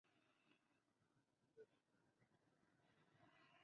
Actúa de delantero centro o Volante izquierdo.